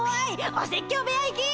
お説教部屋行き！